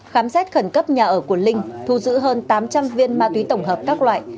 khám xét khẩn cấp nhà ở của linh thu giữ hơn tám trăm linh viên ma túy tổng hợp các loại